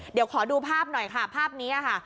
เดี๋ยวขอดูภาพหน่อยค่ะภาพนี้ค่ะ